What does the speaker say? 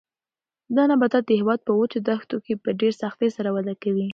دا نباتات د هېواد په وچو دښتو کې په ډېر سختۍ سره وده کوي.